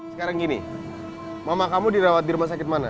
sekarang gini mama kamu dirawat di rumah sakit mana